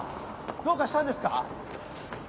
どうかしたんですか？